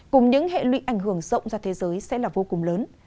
cùng những hệ lụy ảnh hưởng rộng ra thế giới sẽ là vô cùng lớn